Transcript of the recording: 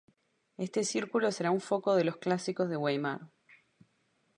Este círculo será un foco de los clásicos de Weimar.